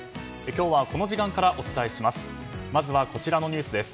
今日はこの時間からお伝えします。